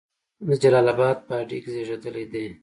د جلال آباد په هډې کې زیږیدلی دی.